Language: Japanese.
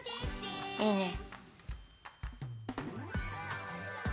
いいね。